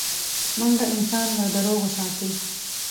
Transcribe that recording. منډه انسان له دروغو ساتي